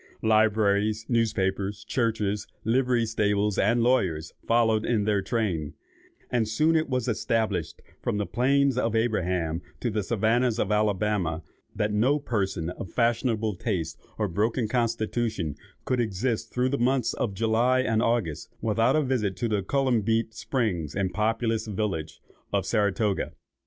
Libraries, newspapers, churches, livery stables, and lawyers, followed in their train; and it was soon established, from the plains of Abraham to the Savannahs of Alabama, that no person of fashionable taste or broken constitution could exist through the months of July and August without a visit to the chalybeate springs and populous village of Saratoga.